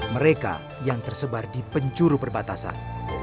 mereka yang tersebar di penjuru perbatasan